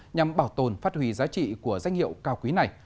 nhằm bảo tồn phát huy giá trị của danh hiệu cao quý này